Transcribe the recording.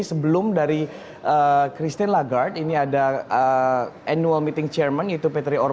sebelum dari christine lagarde ini ada annual meeting chairman yaitu petro